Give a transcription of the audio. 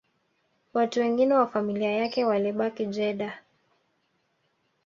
Watu wengine wa familia yake walibaki Jeddah